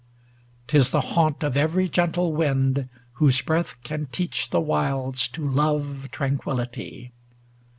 'T is the haunt Of every gentle wind whose breath can teach The wilds to love tranquillity.